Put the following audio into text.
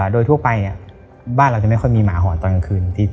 โดยทั่วไปบ้านเราจะไม่ค่อยมีหมาหอนตอนกลางคืน